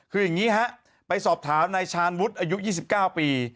คืออย่างนี้ฮะไปสอบถามนายชาญวุฒิอายุ๒๙ปี